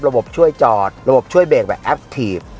ช่วยจอดระบบช่วยเบรกแบบแอปทีฟ